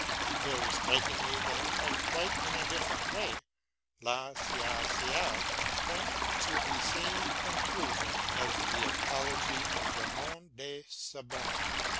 Very strikingly, then, but quite in a different way, does " La Saisiaz " point to the same conclu sion as the "Apology for Raymond de Sebonde."